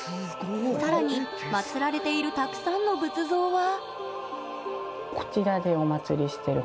さらに、まつられているたくさんの仏像は。